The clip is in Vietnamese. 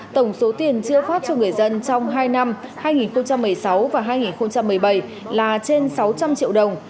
tổng số tiền chưa phát cho người dân trong hai năm hai nghìn một mươi sáu và hai nghìn một mươi bảy là trên sáu trăm linh triệu đồng